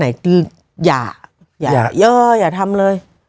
ฉันไหนก็อย่าอย่าเยอะอย่าทำเลย